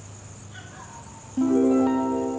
aku ingin uang satu juta dolar